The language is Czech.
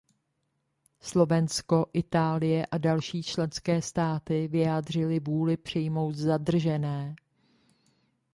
Slovensko, Itálie a další členské státy vyjádřily vůli přijmout zadržené.